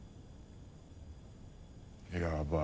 やばい。